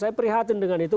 saya prihatin dengan itu